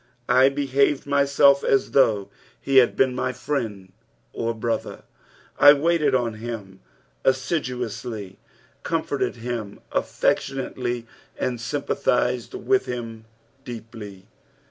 / hehatxd myietf a» though he hiid ieen my friend or brother :" I waited on him assiduously, comforted him affectionately, and sympathised with him deeply.